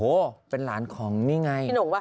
โอ้โหเป็นหลานของนี่ไง